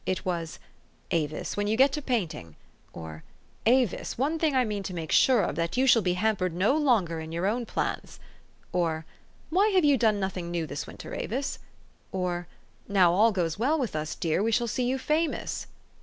It was, "Avis, when you get to painting; " or, " Avis, one thing I mean to make sure of, that you shall be hampered no longer in your own plans ;" or, " Why have you done nothing new this winter, Avis? " or, " Now all goes well with us, dear, we shall see you famous."